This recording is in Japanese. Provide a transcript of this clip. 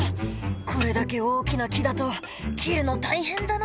「これだけ大きな木だと切るの大変だな」